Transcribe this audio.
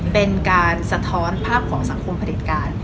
เป็นการสะท้อนภาพของสังคมผลิตการ